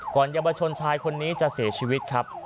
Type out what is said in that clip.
เยาวชนชายคนนี้จะเสียชีวิตครับ